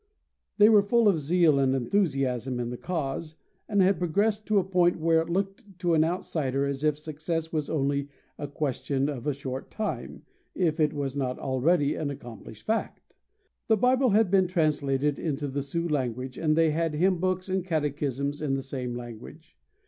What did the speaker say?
They were full of zeal and enthusiasm in the cause, and had progressed to a point where it looked to an outsider as if success was only a question of a short time, if it was not already an accomplished fact. The Bible had been translated into the Sioux language, and they had hymn books and catechisms in the same language.